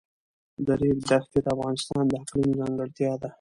د ریګ دښتې د افغانستان د اقلیم ځانګړتیا ده.